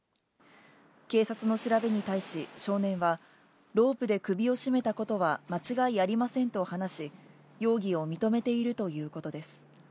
警察の調べに対し、少年は、ロープで首を絞めたことは間違いありませんと話し、容疑を認めているということです。